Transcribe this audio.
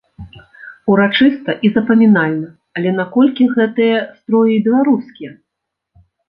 Урачыста і запамінальна, але наколькі гэтыя строі беларускія?